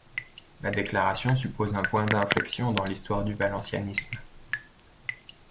La déclaration suppose un point d'inflexion dans l'histoire du valencianisme.